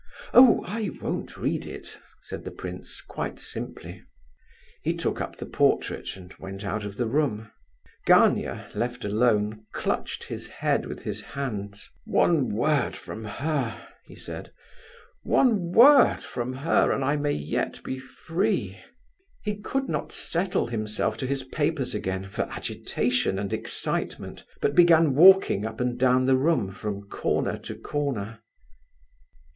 "Oh, I won't read it," said the prince, quite simply. He took up the portrait, and went out of the room. Gania, left alone, clutched his head with his hands. "One word from her," he said, "one word from her, and I may yet be free." He could not settle himself to his papers again, for agitation and excitement, but began walking up and down the room from corner to corner.